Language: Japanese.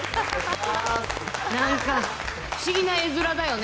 なんか不思議な絵面だよね。